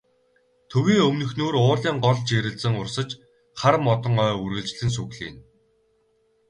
Төвийн өмнөхнүүр уулын гол жирэлзэн урсаж, хар модон ой үргэлжлэн сүглийнэ.